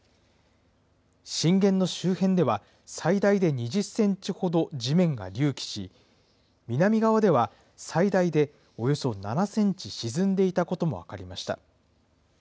震源の周辺では、最大で２０センチほど地面が隆起し、南側では最大でおよそ７センチ沈んでいたことも分かりました。